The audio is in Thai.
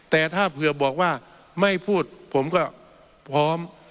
แต่ถ้าเผื่อบอกว่าไม่พูดผมก็พร้อม